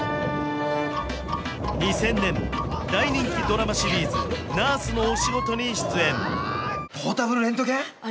２０００年大人気ドラマシリーズ「ナースのお仕事」に出演ポータブルレントゲン？